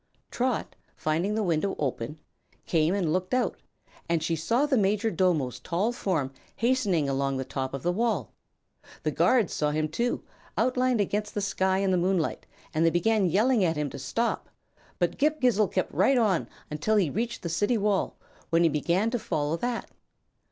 Trot, finding the window open, came and looked out, and she saw the Majordomo's tall form hastening along the top of the wall. The guards saw him, too, outlined against the sky in the moonlight, and they began yelling at him to stop; but Ghip Ghisizzle kept right on until he reached the City Wall, when he began to follow that.